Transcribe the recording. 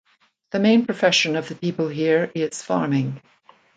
The main profession of the people here is farming.